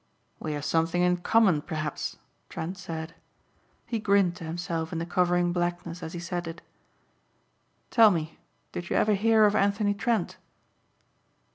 "We have something in common perhaps," Trent said. He grinned to himself in the covering blackness as he said it. "Tell me, did you ever hear of Anthony Trent?"